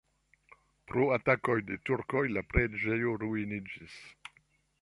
Pro atakoj de turkoj la preĝejo ruiniĝis.